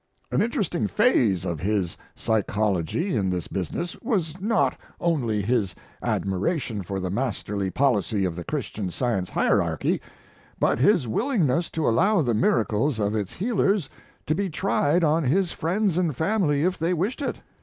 An interesting phase of his psychology in this business was not. only his admiration for the masterly policy of the Christian Science hierarchy, but his willingness to allow the miracles of its healers to be tried on his friends and family if they wished it.